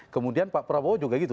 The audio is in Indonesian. kemudian pak prabowo juga gitu